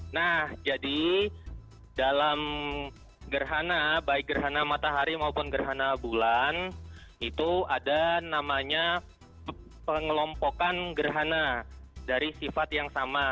nah jadi dalam gerhana baik gerhana matahari maupun gerhana bulan itu ada namanya pengelompokan gerhana dari sifat yang sama